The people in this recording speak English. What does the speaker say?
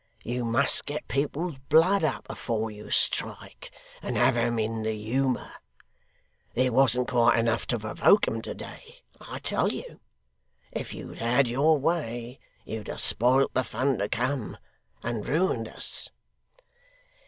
You must get people's blood up afore you strike, and have 'em in the humour. There wasn't quite enough to provoke 'em to day, I tell you. If you'd had your way, you'd have spoilt the fun to come, and ruined us.